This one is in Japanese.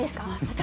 私。